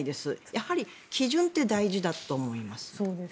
やはり基準って大事だと思います。